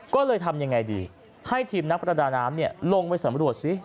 ก็เลยทำยังไงดีให้ทีมนักประดาน้ำลงไปสำรวจสิ